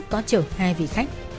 có chở hai vị khách